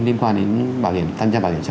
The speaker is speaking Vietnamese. liên quan đến bảo hiểm tham gia bảo hiểm xã